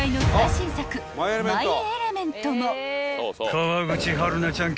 ［川口春奈ちゃん